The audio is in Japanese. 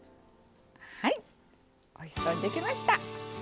おいしそうにできました。